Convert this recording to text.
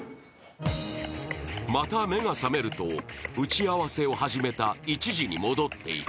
また目が覚めると打ち合わせを始めた１時に戻っていた。